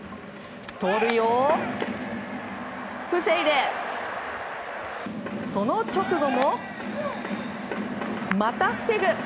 盗塁を防いでその直後もまた防ぐ。